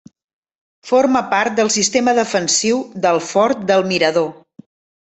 Forma part del sistema defensiu del Fort del Mirador.